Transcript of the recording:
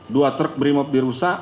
dua truk berimob dirusak